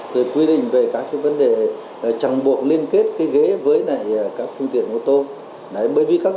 rồi quy định về các vấn đề chẳng buộc liên kết cái ghế với này các phương tiện ô tô đấy bởi vì các